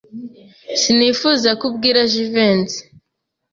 Sinifuzaga ko ubwira Jivency.